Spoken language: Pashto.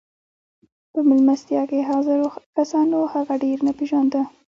په مېلمستیا کې حاضرو کسانو هغه ډېر نه پېژانده